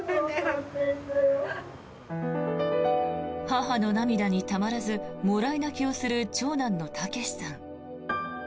母の涙に、たまらずもらい泣きをする長男の武さん。